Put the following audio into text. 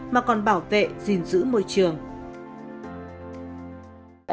mà còn bảo vệ gìn giữ môi trường